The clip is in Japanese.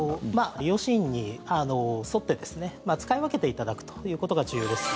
利用シーンに沿って使い分けていただくということが重要です。